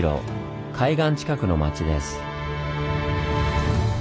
海岸近くの町です。